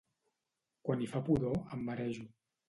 Quan hi ha pudor, em marejo.